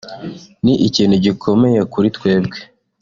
ni ikintu gikomeye kuri twebwe